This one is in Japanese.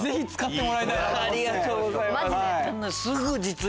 ありがとうございます！